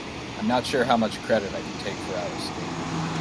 I'm not sure how much credit I can take for our escape.